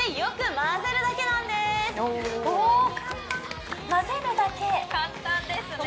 混ぜるだけ簡単ですね